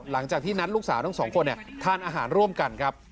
หลังจากที่นัดลูกสาวทั้งสองคนทานอาหารร่วมกันครับ